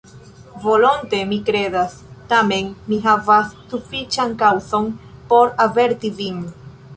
Volonte mi kredas; tamen mi havas sufiĉan kaŭzon, por averti vin.